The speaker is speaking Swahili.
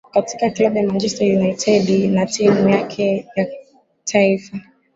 Katika klabu ya Manchester Unitedi na timu yake ya taifa